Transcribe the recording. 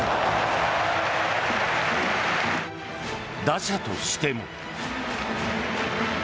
打者としても。